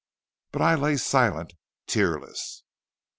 "But I lay silent, tearless.